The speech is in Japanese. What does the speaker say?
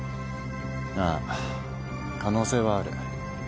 ああ可能性はある。